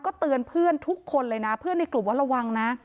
เตือนเพื่อนทุกคนเลยนะเพื่อนในกลุ่มว่าระวังนะ